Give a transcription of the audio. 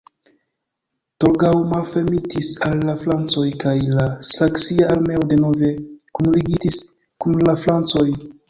Torgau malfermitis al la francoj kaj la saksia armeo denove kunligitis kun la francoj.